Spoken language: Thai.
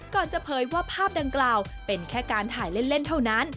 จะเผยว่าภาพดังกล่าวเป็นแค่การถ่ายเล่นเท่านั้น